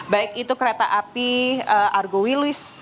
baik itu kereta api argo wilis